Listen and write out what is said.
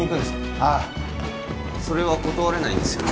ああそれは断れないんですよね